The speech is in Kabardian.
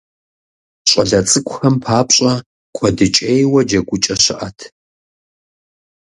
ЩӀалэ цӀыкӀухэм папщӏэ куэдыкӏейуэ джэгукӀэ щыӏэт.